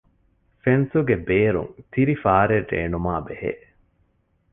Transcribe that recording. ފެންސުގެ ބޭރުން ތިރި ފާރެއް ރޭނުމާބެހޭ